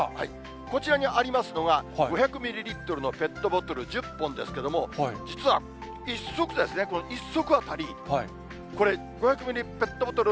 こちらにありますのは、５００ミリリットルのペットボトル１０本ですけども、実は、１足ですね、この１足当たりこれ、５００ミリペットボトル